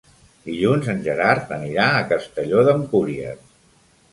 Dilluns en Gerard anirà a Castelló d'Empúries.